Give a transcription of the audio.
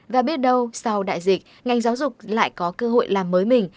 và biết đâu sau đại dịch ngành giáo dục lại có cơ hội làm mới mình